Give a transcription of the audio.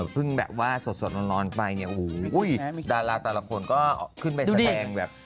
พึ่งแบบว่าสดลอนไปเนี่ยเดลาลาแต่ละคนก็ขึ้นไปแสดงแบบ